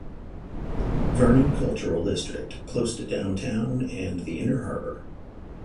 Vernon cultural district, close to downtown and the Inner Harbor.